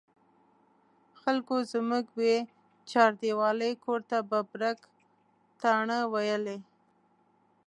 خلکو زموږ بې چاردیوالۍ کور ته ببرک تاڼه ویلې.